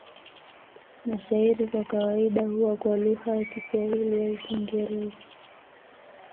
Mashairi kwa kawaida huwa kwa lugha ya Kiswahili au Kiingereza.